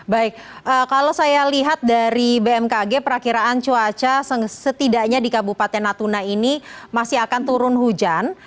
baik kalau saya lihat dari bmkg perakiraan cuaca setidaknya di kabupaten natuna ini masih akan turun hujan